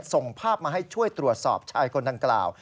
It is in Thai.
ส่งภาพมาให้ช่วยตรวจสอบชายคนดังกล่าว